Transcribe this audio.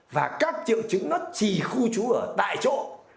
và các triệu chứng nó chỉ khu trú ở tại chỗ